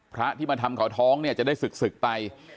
พระที่มาทำขอท้องจะได้ศึกไป